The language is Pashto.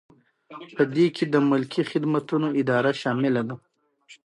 په دې کې د ملکي خدمتونو اداره شامله ده.